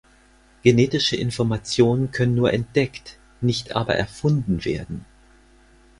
Genetische Informationen können nur entdeckt, nicht aber erfunden werden.